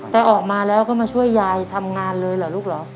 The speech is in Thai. แต่ออกมาแล้วก็มาช่วยยายทำงานเลยเหรอลูกเหรอ